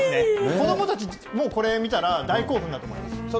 子どもたち、もうこれ見たら、大興奮だと思います。